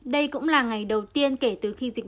đây cũng là ngày đầu tiên kể từ khi dịch